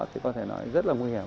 thì có thể nói rất là nguy hiểm